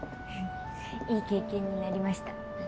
いい経験になりました。